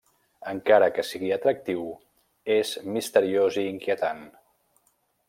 Encara que sigui atractiu, és misteriós i inquietant.